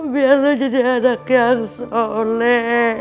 biar lu jadi anak yang soleh